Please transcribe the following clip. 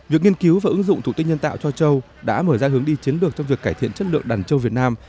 việc nghiên cứu và ứng dụng thụ tinh nhân tạo cho châu đã mở ra hướng đi chiến lược trong việc cải thiện chất lượng đàn trâu việt nam